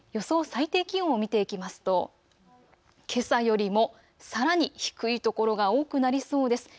最低気温を見ていきますとけさよりもさらに低い所が多くなりそうです。